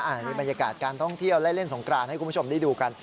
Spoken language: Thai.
อันนี้บรรยากาศการท่องเที่ยวและเล่นสงกรานให้คุณผู้ชมได้ดูกัน